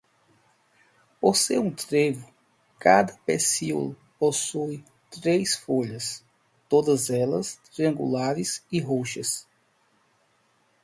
Por ser um trevo, cada pecíolo possui três folhas, todas elas triangulares e roxas.